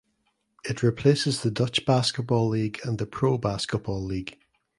It replaces the Dutch Basketball League and the Pro Basketball League.